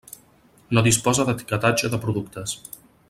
No disposa d'etiquetatge de productes.